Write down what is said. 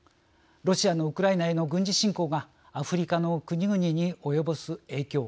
ロシアのウクライナへの軍事侵攻がアフリカの国々に及ぼす影響。